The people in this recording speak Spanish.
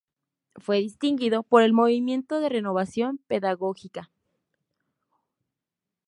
Fue distinguido por el Movimiento de Renovación Pedagógica.